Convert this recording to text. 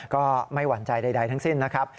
ก็ไม่หวั่นใจใดทั้งสิ้นนะครับ